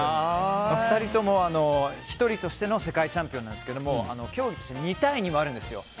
２人とも、１人としての世界チャンピオンなんですけど競技は２対２もあるんですよ。